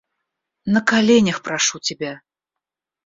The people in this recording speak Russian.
На коленях прошу тебя!